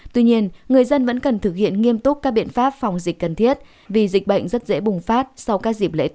tuy nhiên người dân vẫn cần thực hiện nghiêm túc các biện pháp phòng dịch cần thiết vì dịch bệnh rất dễ bùng phát sau các dịp lễ tết